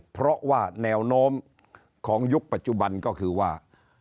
เพราะว่าแนวโน้มของยุคปัจจุบันก็คือว่า